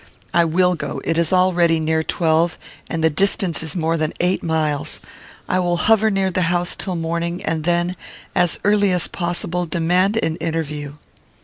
I will go; it is already near twelve, and the distance is more than eight miles. I will hover near the house till morning, and then, as early as possible, demand an interview."